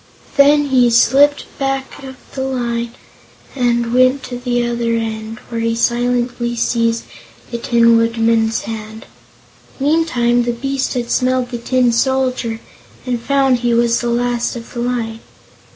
Then he slipped back of the line and went to the other end, where he silently seized the Tin Woodman's hand. Meantime, the beast had smelled the Tin Soldier and found he was the last of the line.